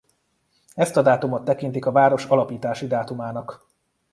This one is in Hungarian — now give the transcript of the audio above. Ezt a dátumot tekintik a város alapítási dátumának.